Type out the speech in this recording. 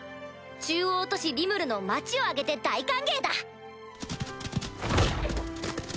中央都市リムルの町を挙げて大歓迎だ！